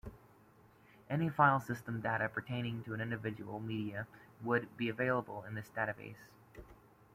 Any filesystem data pertaining to an individual media would be available in this database.